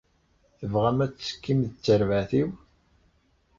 Tebɣam ad tettekkim d terbaɛt-iw?